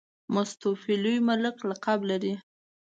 مستوفي لوی ملک لقب لري.